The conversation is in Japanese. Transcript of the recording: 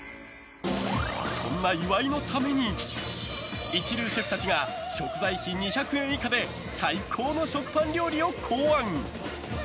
そんな岩井のために一流シェフたちが食材費２００円以下で最高の食パン料理を考案！